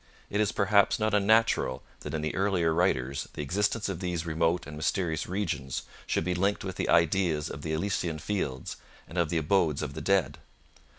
It is, perhaps, not unnatural that in the earlier writers the existence of these remote and mysterious regions should be linked with the ideas of the Elysian Fields and of the abodes of the dead.